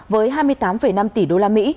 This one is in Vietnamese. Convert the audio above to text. với hai mươi tám năm tỷ usd